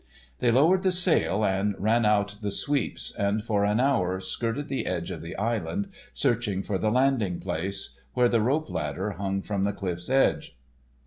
They lowered the sail and ran out the sweeps, and for an hour skirted the edge of the island searching for the landing place, where the rope ladder hung from the cliff's edge.